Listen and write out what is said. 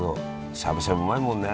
しゃぶしゃぶうまいもんね。